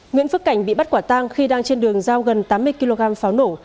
nguyễn phước cảnh bị bắt quả tang khi đang trên đường giao gần tám mươi kg pháo nổ